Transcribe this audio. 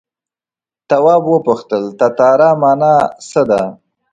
تواب وپوښتل تتارا مانا څه ده.